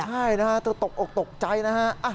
ใช่นะตกอกตกใจนะฮะ